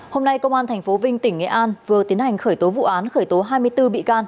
hôm nay công an tp vinh tỉnh nghệ an vừa tiến hành khởi tố vụ án khởi tố hai mươi bốn bị can